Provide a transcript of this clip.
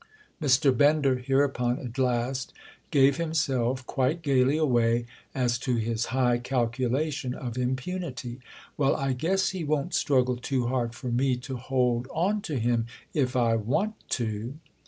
Mr. Bender hereupon at last gave himself quite gaily away as to his high calculation of impunity. "Well, I guess he won't struggle too hard for me to hold on to him if I want to!"